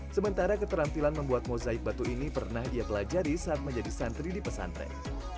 sementara keterampilan membuat mozaik batu ini pernah dia telah jari saat menjadi santri di pesantren